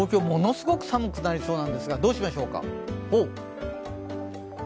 ものすごく寒くなりそうなんですがどうしましょうか。